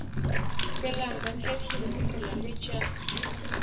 Kelläňden herhili pikirler geçýär.